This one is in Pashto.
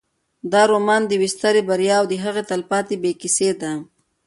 دا رومان د یوې سترې بریا او د هغې د تلپاتې بیې کیسه ده.